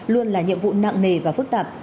luôn là nhiệm vụ nặng nề và phức tạp